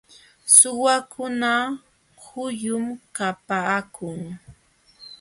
Suwakuna huyum kapaakun.